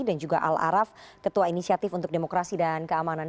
dan juga al araf ketua inisiatif untuk demokrasi dan keamanan